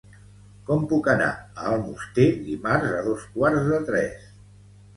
Com puc anar a Almoster dimarts a dos quarts de tres?